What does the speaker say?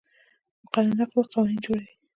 مقننه قوه قوانین جوړوي